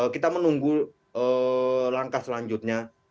kita menunggu langkah selanjutnya